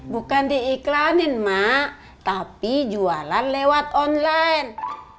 bukan diiklanin mak tapi jualan lewat online